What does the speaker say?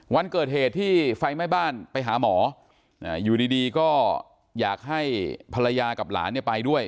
วันเกิดเหตุที่ไฟไหม้บ้านไปหาหมออยู่ดีก็อยากให้ภรรยากับหลานเนี่ยไปด้วย